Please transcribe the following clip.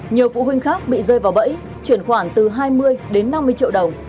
nhiều phụ huynh khác bị rơi vào bẫy chuyển khoản từ hai mươi đến năm mươi triệu đồng